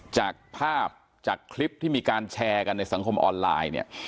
จากภาพจากคลิปที่มีการแชร์กันในสังคมออนไลน์เนี่ย